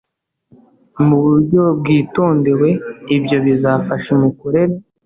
mu buryo bwitondewe Ibyo bizafasha imikorere